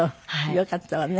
よかったわね。